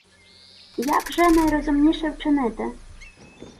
Як же найрозумніше вчинити?